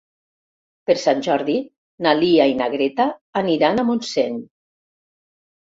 Per Sant Jordi na Lia i na Greta aniran a Montseny.